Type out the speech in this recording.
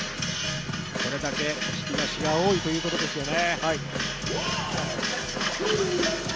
それだけ引き出しが多いということですよね。